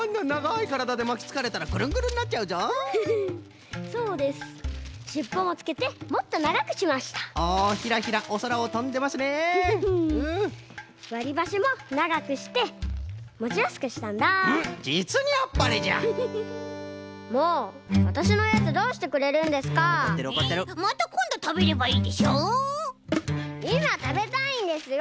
いまたべたいんですよ！